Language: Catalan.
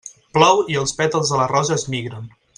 Plou i els pètals de la rosa es migren.